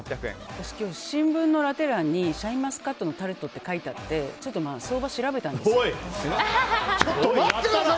私、今日新聞のラテ欄にシャインマスカットのタルトって書いてあって相場を調べたんですよ。